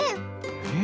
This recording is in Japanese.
えっ？